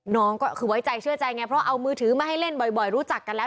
น้องก็คือไว้ใจเชื่อใจไงเพราะเอามือถือมาให้เล่นบ่อยรู้จักกันแล้ว